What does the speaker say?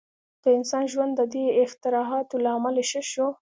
• د انسان ژوند د دې اختراعاتو له امله ښه شو.